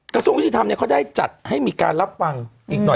กระทรวงยุติธรรมเขาได้จัดให้มีการรับฟังอีกหน่อย